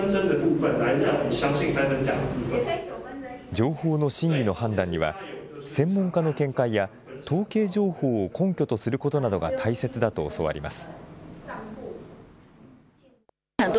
情報の真偽の判断には、専門家の見解や統計情報を根拠とすることなどが大切だと教わります。